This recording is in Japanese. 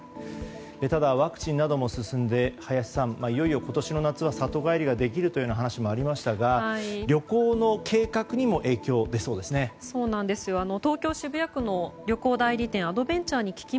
ただ、ワクチンなども進んで林さんいよいよ今年の夏は里帰りができるという話もありましたが旅行の計画にも影響が出そうですね。